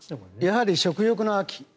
やはり食欲の秋。